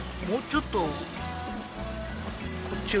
もうちょっと高い？